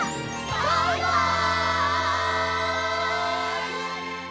バイバイ！